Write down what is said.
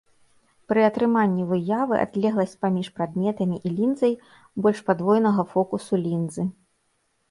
Пры атрыманні выявы адлегласць паміж прадметам і лінзай больш падвойнага фокусу лінзы.